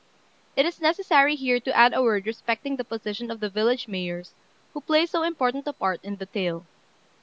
It is necessary here to add a word respecting the position of the village mayors, who play so important a part in the tale.